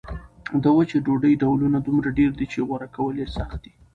د وچې ډوډۍ ډولونه دومره ډېر دي چې غوره کول یې سخت وي.